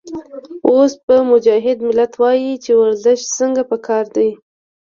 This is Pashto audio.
اوس به مجاهد ملت وائي چې ورزش څنګه پکار دے